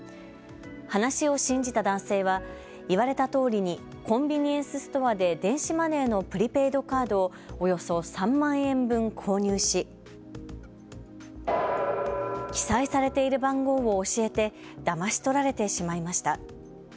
話を信じた男性は言われたとおりにコンビニエンスストアで電子マネーのプリペイドカードをおよそ３万円分購入し記載されている番号を教えてだまし取られてしまいました。